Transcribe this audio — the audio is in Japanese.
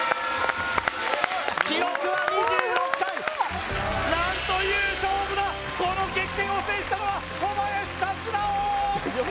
記録は２６回何という勝負だこの激戦を制したのは小林龍尚！